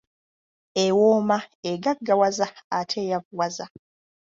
"Ewooma, egaggawaza ate eyavuwaza."